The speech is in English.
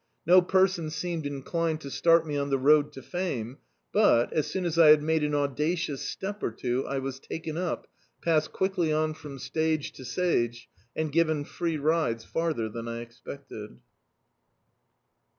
No person [3361 D,i.,.db, Google Success seemed inclined to start me on die road to fame, but, as soon as I had made an audacioiis step or two, I was taken up, passed quickly on from stage to stage, and ^ven free rides farther than I expected.